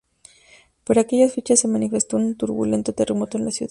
Por aquellas fechas se manifestó un turbulento terremoto en la ciudad.